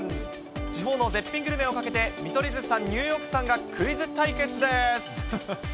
地方の絶品グルメをかけて、見取り図さん、ニューヨークさんがクイズ対決です。